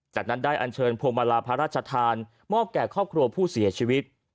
จากนั้นได้อันเชิญพวงมาลาพระราชทานมอบแก่ครอบครัวผู้เสียชีวิต